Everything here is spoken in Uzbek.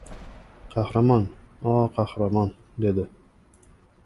— Qahramon, o, qahramon! — dedi.